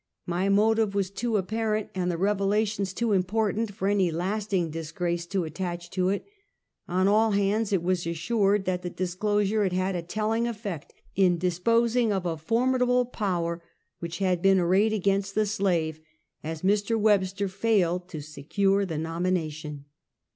My motive was too apparent, and the revelations too important, for any lasting disgrace to attach to it. On all hands it was assured that the disclosure had had a telling effect in disposing of a formidable power which had been arrayed against the slave, as Mr. Webster failed to secure the nomination.